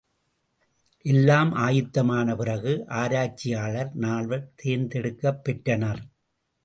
எல்லாம் ஆயத்தமான பிறகு, ஆராய்ச்சியாளர் நால்வர் தேர்ந்தெடுக்கப் பெற்றனர்.